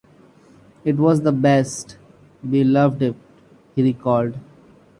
It was the best, we loved it, he recalled.